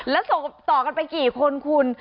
แล้วส่งต่อกันไปกี่คนคุณ